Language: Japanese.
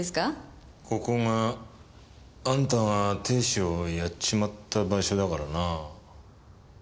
ここがあんたが亭主をやっちまった場所だからな。